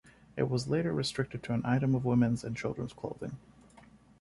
It was later restricted to an item of women's and children's clothing.